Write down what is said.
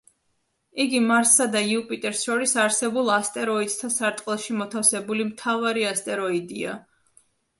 იგი მარსსა და იუპიტერს შორის არსებულ ასტეროიდთა სარტყელში მოთავსებული მთავარი ასტეროიდია.